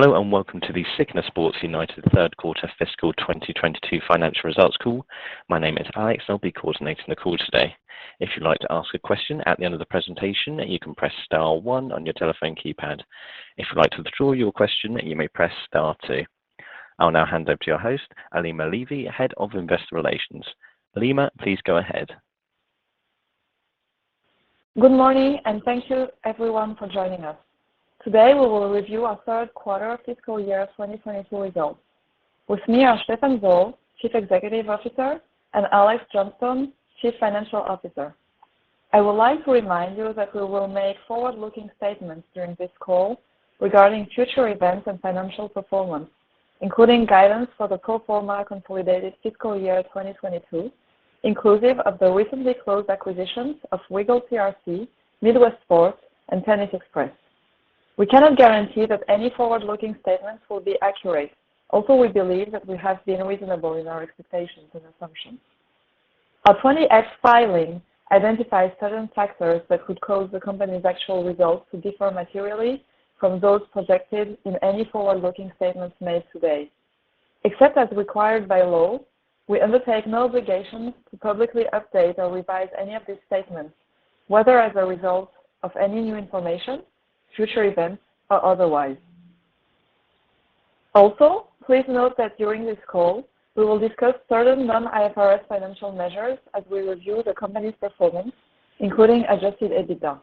Hello, and welcome to the SIGNA Sports United third quarter fiscal 2022 financial results call. My name is Alex. I'll be coordinating the call today. If you'd like to ask a question at the end of the presentation, you can press star one on your telephone keypad. If you'd like to withdraw your question, you may press star two. I'll now hand over to your host, Alima Levy, Head of Investor Relations. Alima, please go ahead. Good morning, and thank you everyone for joining us. Today, we will review our third quarter fiscal year 2022 results. With me are Stephan Zoll, Chief Executive Officer, and Alex Johnstone, Chief Financial Officer. I would like to remind you that we will make forward-looking statements during this call regarding future events and financial performance, including guidance for the pro forma consolidated fiscal year 2022, inclusive of the recently closed acquisitions of WiggleCRC, Midwest Sports, and Tennis Express. We cannot guarantee that any forward-looking statements will be accurate, although we believe that we have been reasonable in our expectations and assumptions. Our 20-F filing identifies certain factors that could cause the company's actual results to differ materially from those projected in any forward-looking statements made today. Except as required by law, we undertake no obligation to publicly update or revise any of these statements, whether as a result of any new information, future events or otherwise. Also, please note that during this call, we will discuss certain non-IFRS financial measures as we review the company's performance, including adjusted EBITDA.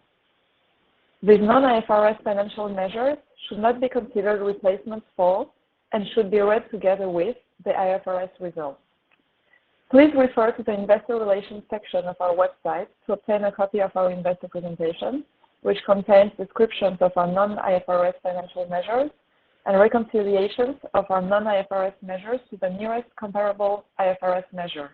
These non-IFRS financial measures should not be considered replacements for, and should be read together with, the IFRS results. Please refer to the investor relations section of our website to obtain a copy of our investor presentation, which contains descriptions of our non-IFRS financial measures and reconciliations of our non-IFRS measures to the nearest comparable IFRS measure.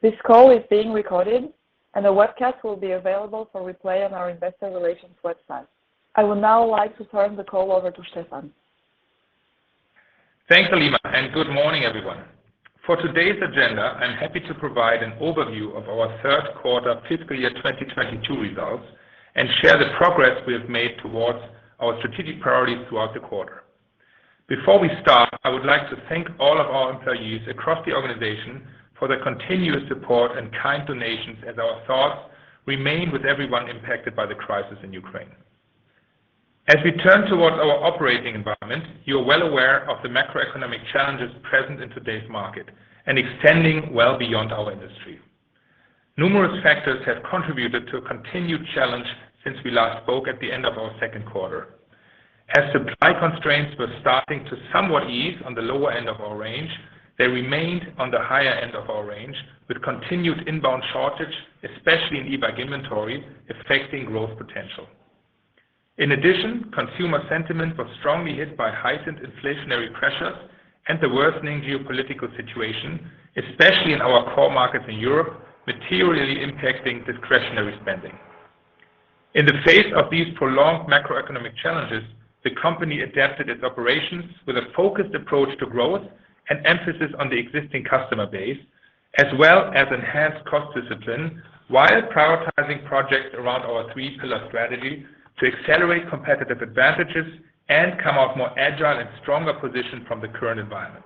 This call is being recorded and a webcast will be available for replay on our investor relations website. I would now like to turn the call over to Stephan. Thanks, Alima, and good morning, everyone. For today's agenda, I'm happy to provide an overview of our third quarter fiscal year 2022 results and share the progress we have made towards our strategic priorities throughout the quarter. Before we start, I would like to thank all of our employees across the organization for their continuous support and kind donations, as our thoughts remain with everyone impacted by the crisis in Ukraine. As we turn towards our operating environment, you're well aware of the macroeconomic challenges present in today's market and extending well beyond our industry. Numerous factors have contributed to a continued challenge since we last spoke at the end of our second quarter. As supply constraints were starting to somewhat ease on the lower end of our range, they remained on the higher end of our range with continued inbound shortage, especially in e-bike inventory, affecting growth potential. In addition, consumer sentiment was strongly hit by heightened inflationary pressures and the worsening geopolitical situation, especially in our core markets in Europe, materially impacting discretionary spending. In the face of these prolonged macroeconomic challenges, the company adapted its operations with a focused approach to growth and emphasis on the existing customer base, as well as enhanced cost discipline while prioritizing projects around our three pillar strategy to accelerate competitive advantages and come off more agile and stronger position from the current environment.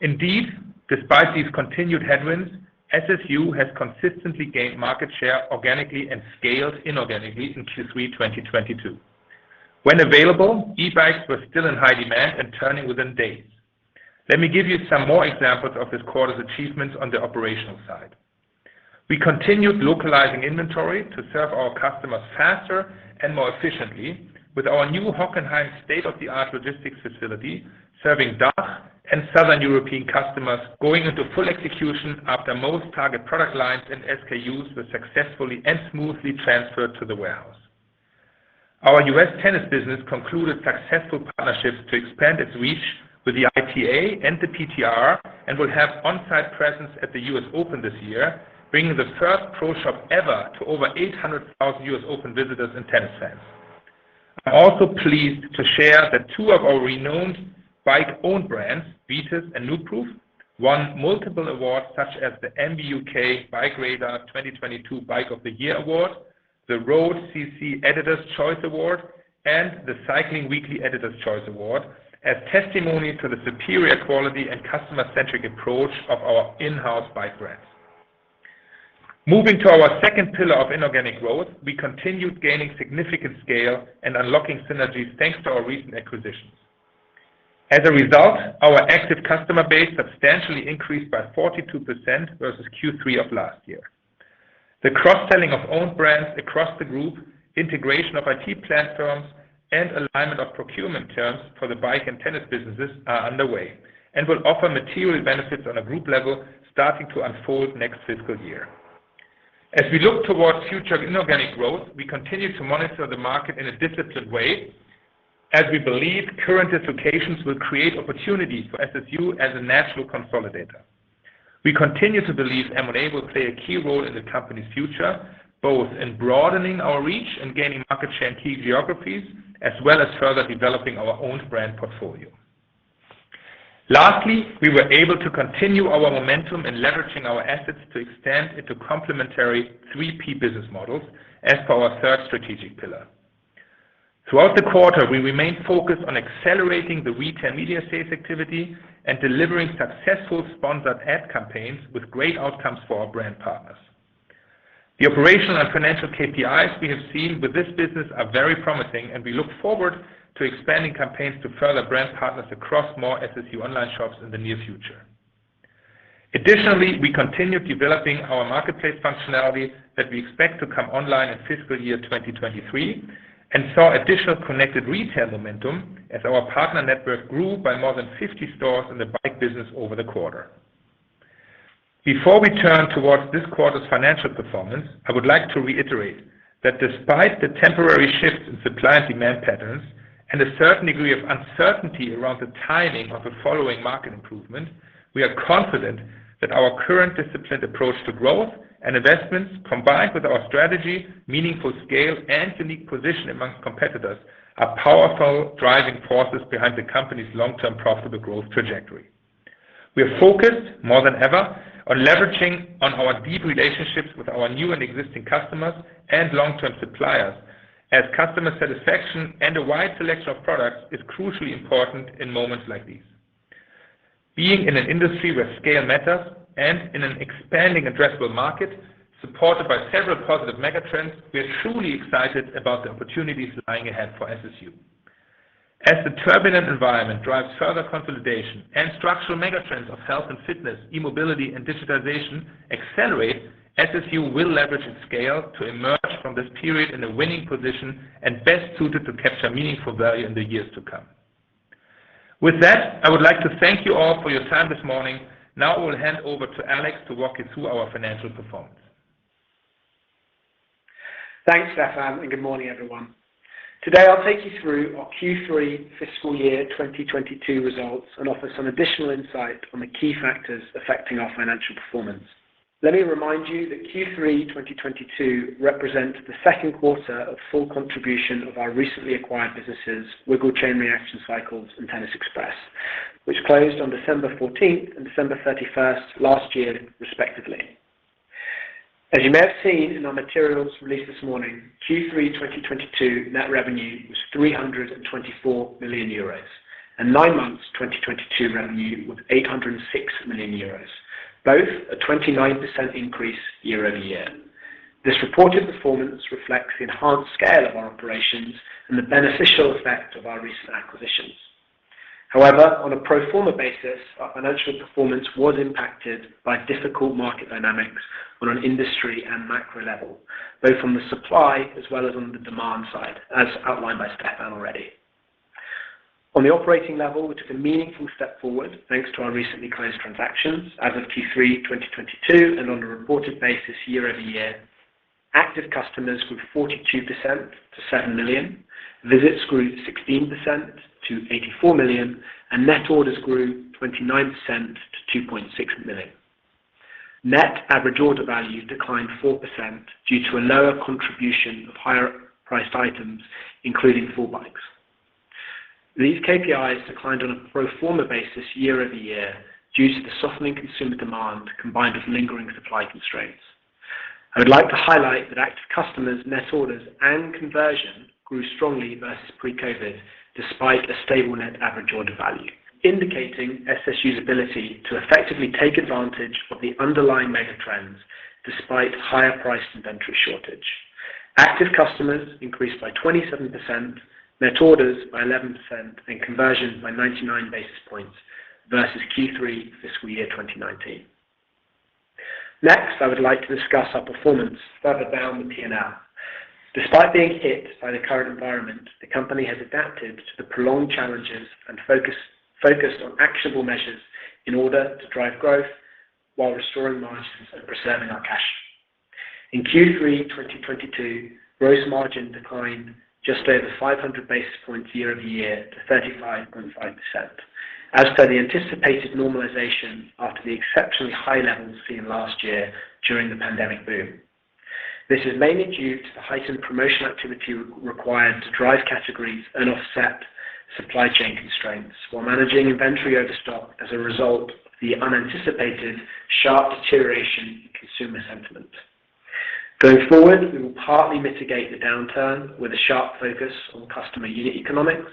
Indeed, despite these continued headwinds, SSU has consistently gained market share organically and scaled inorganically in Q3 2022. When available, e-bikes were still in high demand and turning within days. Let me give you some more examples of this quarter's achievements on the operational side. We continued localizing inventory to serve our customers faster and more efficiently with our new Hockenheim state-of-the-art logistics facility serving DACH and Southern European customers going into full execution after most target product lines and SKUs were successfully and smoothly transferred to the warehouse. Our U.S. tennis business concluded successful partnerships to expand its reach with the ITA and the PTR and will have on-site presence at the U.S. Open this year, bringing the first pro shop ever to over 800,000 U.S. Open visitors in tennis centers. I'm also pleased to share that two of our renowned own bike brands, Vitus and Nukeproof, won multiple awards such as the MBUK BikeRadar 2022 Bike of the Year award, the road.cc Editors' Choice Award, and the Cycling Weekly Editors' Choice Award as testimony to the superior quality and customer-centric approach of our in-house bike brands. Moving to our second pillar of inorganic growth, we continued gaining significant scale and unlocking synergies thanks to our recent acquisitions. As a result, our active customer base substantially increased by 42% versus Q3 of last year. The cross-selling of owned brands across the group, integration of IT platforms, and alignment of procurement terms for the bike and tennis businesses are underway and will offer material benefits on a group level starting to unfold next fiscal year. As we look towards future inorganic growth, we continue to monitor the market in a disciplined way as we believe current dislocations will create opportunities for SSU as a natural consolidator. We continue to believe M&A will play a key role in the company's future, both in broadening our reach and gaining market share in key geographies, as well as further developing our own brand portfolio. Lastly, we were able to continue our momentum in leveraging our assets to extend into complementary 3P business models as per our third strategic pillar. Throughout the quarter, we remained focused on accelerating the retail media sales activity and delivering successful sponsored ad campaigns with great outcomes for our brand partners. The operational and financial KPIs we have seen with this business are very promising and we look forward to expanding campaigns to further brand partners across more SSU online shops in the near future. Additionally, we continue developing our marketplace functionality that we expect to come online in fiscal year 2023 and saw additional connected retail momentum as our partner network grew by more than 50 stores in the bike business over the quarter. Before we turn towards this quarter's financial performance, I would like to reiterate that despite the temporary shift in supply and demand patterns and a certain degree of uncertainty around the timing of the following market improvement, we are confident that our current disciplined approach to growth and investments combined with our strategy, meaningful scale, and unique position among competitors are powerful driving forces behind the company's long-term profitable growth trajectory. We are focused more than ever on leveraging on our deep relationships with our new and existing customers and long-term suppliers as customer satisfaction and a wide selection of products is crucially important in moments like these. Being in an industry where scale matters and in an expanding addressable market supported by several positive mega trends, we are truly excited about the opportunities lying ahead for SSU. As the turbulent environment drives further consolidation and structural mega trends of health and fitness, e-mobility, and digitization accelerate, SSU will leverage its scale to emerge from this period in a winning position and best suited to capture meaningful value in the years to come. With that, I would like to thank you all for your time this morning. Now I will hand over to Alex to walk you through our financial performance. Thanks, Stephan, and good morning everyone. Today, I'll take you through our Q3 fiscal year 2022 results and offer some additional insight on the key factors affecting our financial performance. Let me remind you that Q3 2022 represents the second quarter of full contribution of our recently acquired businesses, Wiggle Chain Reaction Cycles and Tennis Express, which closed on December fourteenth and December thirty-first last year, respectively. As you may have seen in our materials released this morning, Q3 2022 net revenue was 324 million euros, and nine months 2022 revenue was 806 million euros, both a 29% increase year-over-year. This reported performance reflects the enhanced scale of our operations and the beneficial effect of our recent acquisitions. However, on a pro forma basis, our financial performance was impacted by difficult market dynamics on an industry and macro level, both from the supply as well as on the demand side, as outlined by Stephan already. On the operating level, which is a meaningful step forward thanks to our recently closed transactions as of Q3 2022 and on a reported basis year-over-year, active customers grew 42% to 7 million, visits grew 16% to 84 million, and net orders grew 29% to 2.6 million. Net average order value declined 4% due to a lower contribution of higher priced items including full bikes. These KPIs declined on a pro forma basis year-over-year due to the softening consumer demand combined with lingering supply constraints. I would like to highlight that active customers, net orders, and conversion grew strongly versus pre-COVID despite a stable net average order value, indicating SSU's ability to effectively take advantage of the underlying mega trends despite higher price inventory shortage. Active customers increased by 27%, net orders by 11%, and conversion by 99 basis points versus Q3 fiscal year 2019. Next, I would like to discuss our performance further down the P&L. Despite being hit by the current environment, the company has adapted to the prolonged challenges and focused on actionable measures in order to drive growth while restoring margins and preserving our cash. In Q3 2022, gross margin declined just over 500 basis points year over year to 35.5% as per the anticipated normalization after the exceptionally high levels seen last year during the pandemic boom. This is mainly due to the heightened promotional activity required to drive categories and offset supply chain constraints while managing inventory over stock as a result of the unanticipated sharp deterioration in consumer sentiment. Going forward, we will partly mitigate the downturn with a sharp focus on customer unit economics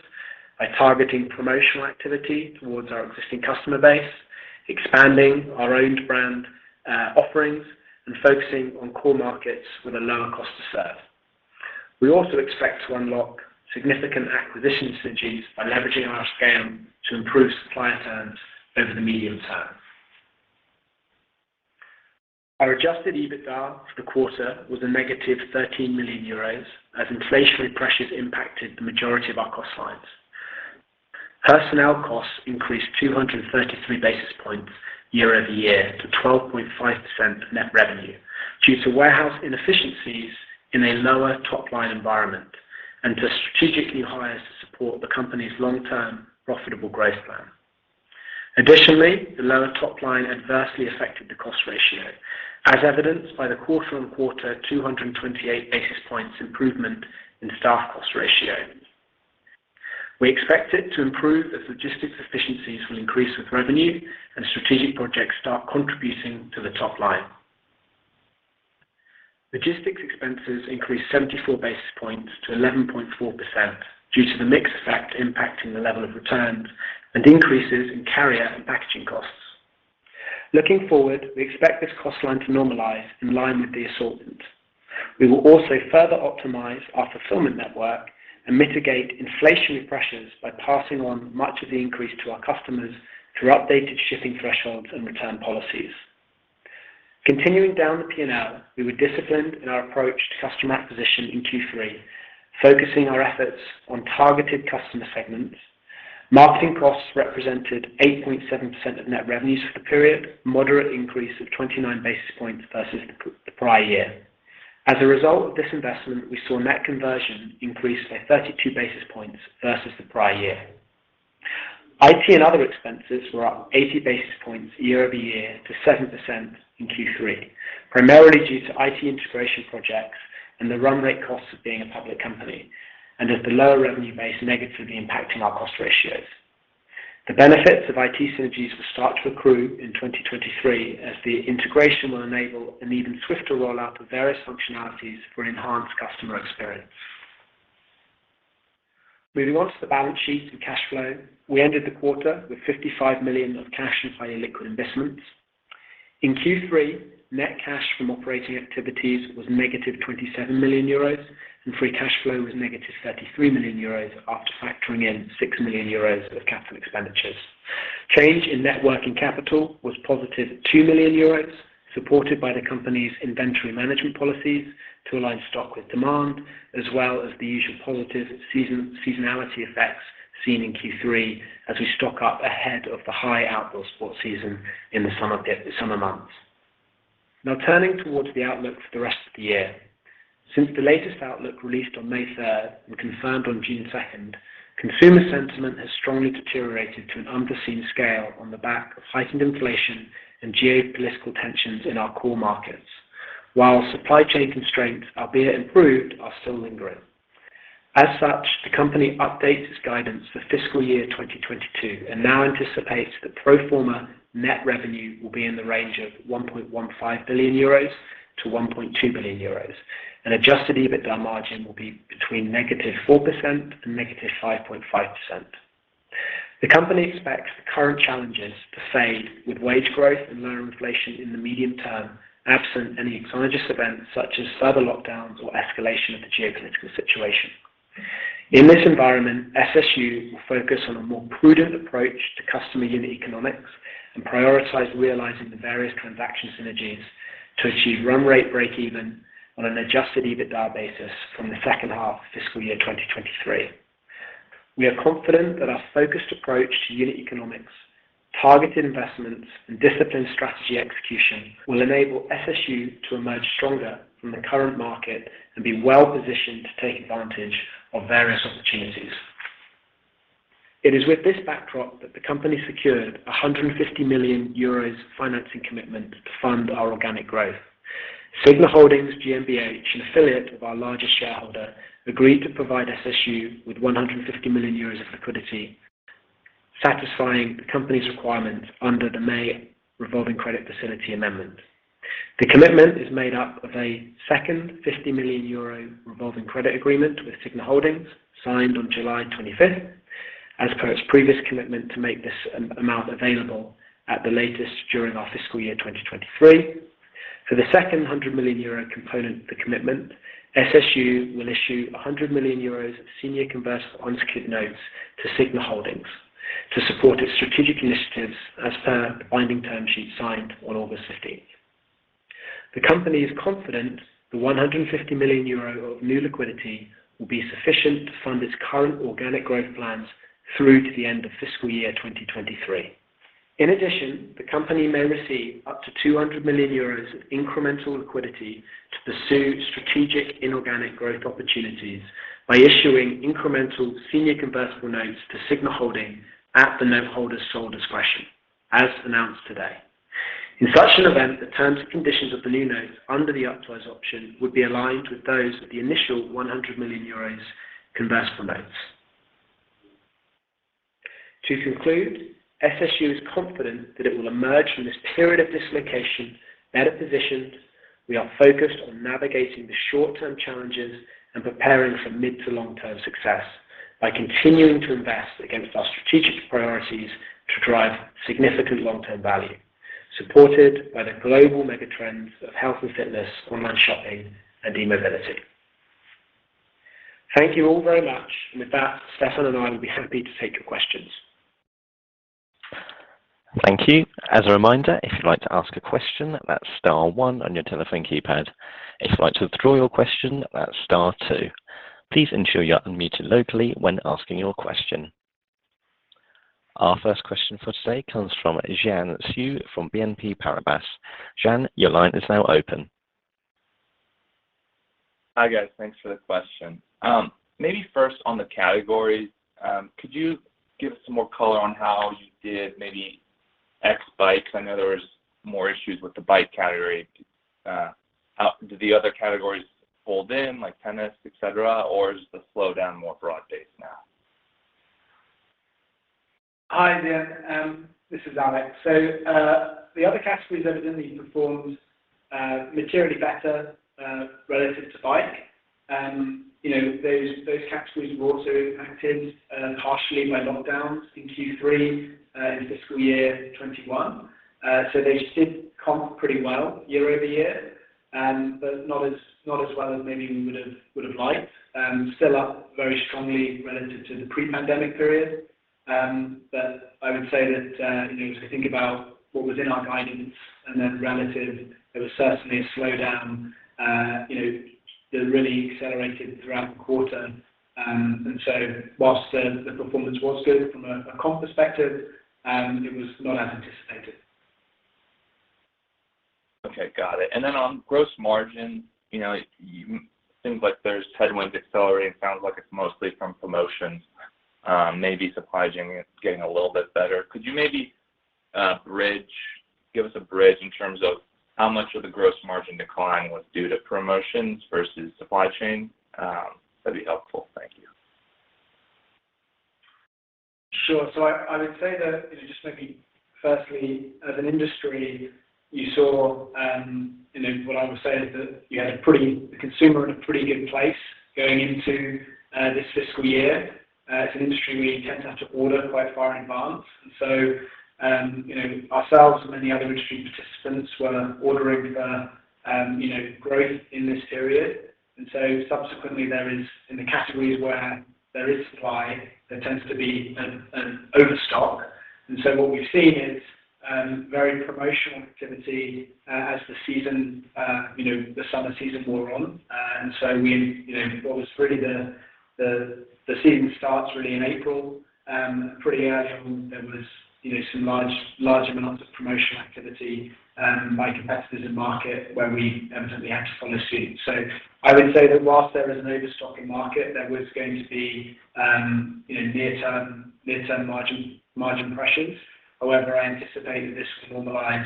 by targeting promotional activity towards our existing customer base, expanding our own brand offerings, and focusing on core markets with a lower cost to serve. We also expect to unlock significant acquisition synergies by leveraging our scale to improve supplier terms over the medium term. Our adjusted EBITDA for the quarter was a negative 13 million euros as inflationary pressures impacted the majority of our cost lines. Personnel costs increased 233 basis points year-over-year to 12.5% of net revenue due to warehouse inefficiencies in a lower top-line environment and to strategically hire to support the company's long-term profitable growth plan. Additionally, the lower top line adversely affected the cost ratio. As evidenced by the quarter-over-quarter 228 basis points improvement in staff cost ratio. We expect it to improve as logistics efficiencies will increase with revenue and strategic projects start contributing to the top line. Logistics expenses increased 74 basis points to 11.4% due to the mix effect impacting the level of returns and increases in carrier and packaging costs. Looking forward, we expect this cost line to normalize in line with the assortment. We will also further optimize our fulfillment network and mitigate inflationary pressures by passing on much of the increase to our customers through updated shipping thresholds and return policies. Continuing down the P&L, we were disciplined in our approach to customer acquisition in Q3, focusing our efforts on targeted customer segments. Marketing costs represented 8.7% of net revenues for the period, moderate increase of 29 basis points versus the prior year. As a result of this investment, we saw net conversion increase by 32 basis points versus the prior year. IT and other expenses were up 80 basis points year-over-year to 7% in Q3, primarily due to IT integration projects and the run rate costs of being a public company and as the lower revenue base negatively impacting our cost ratios. The benefits of IT synergies will start to accrue in 2023 as the integration will enable an even swifter rollout of various functionalities for enhanced customer experience. Moving on to the balance sheet and cash flow. We ended the quarter with 55 million of cash and highly liquid investments. In Q3, net cash from operating activities was negative 27 million euros and free cash flow was negative 33 million euros after factoring in 6 million euros of capital expenditures. Change in net working capital was positive 2 million euros, supported by the company's inventory management policies to align stock with demand as well as the usual positive seasonality effects seen in Q3 as we stock up ahead of the high outdoor sports season in the summer months. Now turning towards the outlook for the rest of the year. Since the latest outlook released on May third and confirmed on June second, consumer sentiment has strongly deteriorated to an unforeseen scale on the back of heightened inflation and geopolitical tensions in our core markets. While supply chain constraints, albeit improved, are still lingering. As such, the company updates its guidance for fiscal year 2022 and now anticipates that pro forma net revenue will be in the range of 1.15 billion-1.2 billion euros and adjusted EBITDA margin will be between -4% and -5.5%. The company expects the current challenges to fade with wage growth and lower inflation in the medium term absent any exogenous events such as further lockdowns or escalation of the geopolitical situation. In this environment, SSU will focus on a more prudent approach to customer unit economics and prioritize realizing the various transaction synergies to achieve run rate breakeven on an adjusted EBITDA basis from the second half of fiscal year 2023. We are confident that our focused approach to unit economics, targeted investments and disciplined strategy execution will enable SSU to emerge stronger from the current market and be well-positioned to take advantage of various opportunities. It is with this backdrop that the company secured 150 million euros financing commitment to fund our organic growth. SIGNA Holding GmbH, an affiliate of our largest shareholder, agreed to provide SSU with 150 million euros of liquidity, satisfying the company's requirements under the May revolving credit facility amendment. The commitment is made up of a second 50 million euro revolving credit agreement with Signa Holding signed on July 25 as per its previous commitment to make this amount available at the latest during our fiscal year 2023. For the second 100 million euro component of the commitment, SSU will issue 100 million euros of senior convertible unsecured notes to Signa Holding to support its strategic initiatives as per the binding term sheet signed on August 15. The company is confident the 150 million euro of new liquidity will be sufficient to fund its current organic growth plans through to the end of fiscal year 2023. In addition, the company may receive up to 200 million euros of incremental liquidity to pursue strategic inorganic growth opportunities by issuing incremental senior convertible notes to Signa Holding at the note holder's sole discretion as announced today. In such an event, the terms and conditions of the new notes under the upsize option would be aligned with those of the initial 100 million euros convertible notes. To conclude, SSU is confident that it will emerge from this period of dislocation better positioned. We are focused on navigating the short term challenges and preparing for mid to long term success by continuing to invest against our strategic priorities to drive significant long term value, supported by the global mega trends of health and fitness, online shopping and e-mobility. Thank you all very much. With that, Stephan and I will be happy to take your questions. Thank you. As a reminder, if you'd like to ask a question, that's star one on your telephone keypad. If you'd like to withdraw your question, that's star two. Please ensure you are unmuted locally when asking your question. Our first question for today comes from Jian Xu from BNP Paribas. Jian, your line is now open. Hi, guys. Thanks for the question. Maybe first on the categories, could you give some more color on how you did maybe ex bikes? I know there was more issues with the bike category. Did the other categories fold in, like tennis, et cetera, or is the slowdown more broad-based now? Hi, Jian. This is Alex. The other categories evidently performed materially better relative to bike. You know, those categories were also impacted harshly by lockdowns in Q3 in fiscal year 2021. They did comp pretty well year-over-year, but not as well as maybe we would've liked. Still up very strongly relative to the pre-pandemic period, but I would say that you know, as we think about what was in our guidance and then relative, there was certainly a slowdown you know, that really accelerated throughout the quarter. While the performance was good from a comp perspective, it was not as anticipated. Okay. Got it. On gross margin, you know, it seems like there's tailwind accelerating. Sounds like it's mostly from promotions, maybe supply chain is getting a little bit better. Could you maybe, give us a bridge in terms of how much of the gross margin decline was due to promotions versus supply chain? That'd be helpful. Thank you. Sure. I would say that, you know, just maybe firstly, as an industry, you saw, you know, what I would say is that you had the consumer in a pretty good place going into this fiscal year. As an industry, we tend to have to order quite far in advance. You know, ourselves and many other industry participants were ordering for, you know, growth in this period. Subsequently, there is, in the categories where there is supply, there tends to be an overstock. What we've seen is very promotional activity, as the season, you know, the summer season wore on. You know, what was really the season starts really in April. Pretty early on, there was, you know, some large amounts of promotional activity by competitors in market where we evidently had to follow suit. I would say that while there is an overstock in market, there was going to be, you know, near-term margin pressures. However, I anticipate that this will normalize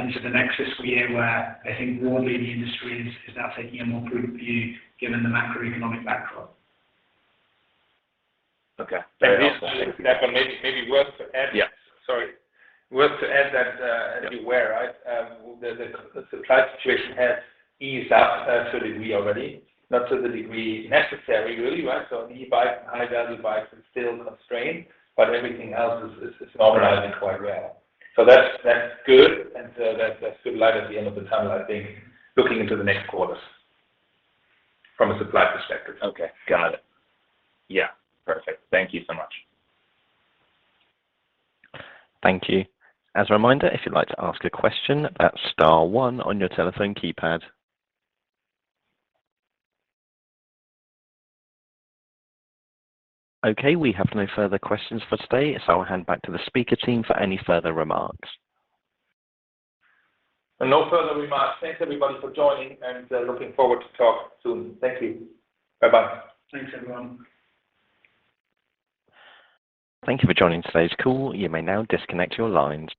into the next fiscal year, where I think more maybe industry is now taking a more prudent view given the macroeconomic backdrop. Okay. That helps. Just to Stephan, maybe worth to add. Yeah. Sorry. Worth adding that as you were, right, the supply situation has eased up to a degree already, not to the degree necessary really, right? E-bike, high-value bikes are still constrained, but everything else is normalizing quite well. That's good. That's good light at the end of the tunnel I think looking into the next quarters from a supply perspective. Okay. Got it. Yeah. Perfect. Thank you so much. Thank you. As a reminder, if you'd like to ask a question, that's star one on your telephone keypad. Okay. We have no further questions for today, so I'll hand back to the speaker team for any further remarks. No further remarks. Thanks everybody for joining, and looking forward to talk soon. Thank you. Bye-bye. Thanks, everyone. Thank you for joining today's call. You may now disconnect your lines.